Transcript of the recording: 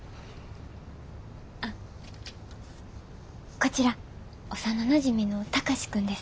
こちら幼なじみの貴司君です。